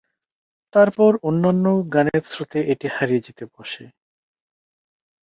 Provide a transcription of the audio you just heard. তারপর অন্যান্য গানের স্রোতে এটি হারিয়ে যেতে বসে।